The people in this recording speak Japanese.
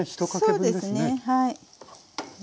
そうですねはい。